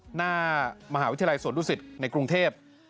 หน้ามหาวิทยาลัยสวรรค์ดูศิษย์ในกรุงเทพฯ